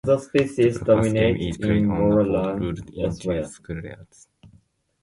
The Black Path Game is played on a board ruled into squares.